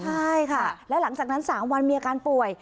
ใช่ค่ะและหลังจากนั้น๓วันมีอาการป่วย